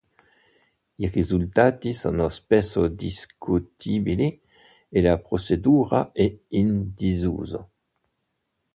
I risultati sono spesso discutibili e la procedura è in disuso.